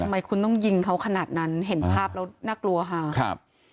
ทำไมคุณต้องยิงเขาขนาดนั้นเห็นภาพแล้วน่ากลัวค่ะครับ